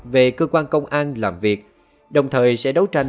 về cái tội xe này